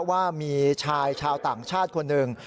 ว่ามีชายชาวต่างชาติคนหนึ่ง